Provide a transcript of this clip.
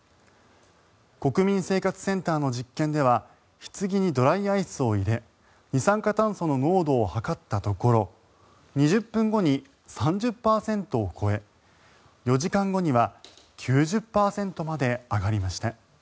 国民生活センターの実験ではひつぎにドライアイスを入れ二酸化炭素の濃度を測ったところ２０分後に３０％を超え４時間後には９０％まで上がりました。